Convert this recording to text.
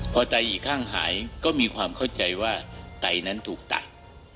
พอไตอีกข้างหายก็มีความเข้าใจว่าไตนั้นถูกตัด